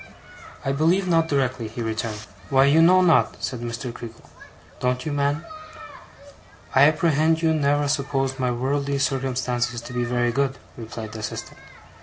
'I believe not directly,' he returned. 'Why, you know not,' said Mr. Creakle. 'Don't you, man?' 'I apprehend you never supposed my worldly circumstances to be very good,' replied the assistant.